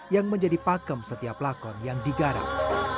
yang menjadi pakem setiap lakon yang digarap